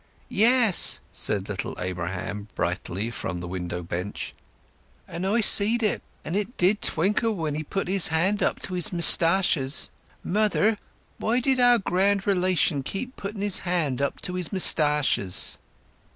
"Yes," said little Abraham, brightly, from the window bench; "and I seed it! and it did twinkle when he put his hand up to his mistarshers. Mother, why did our grand relation keep on putting his hand up to his mistarshers?"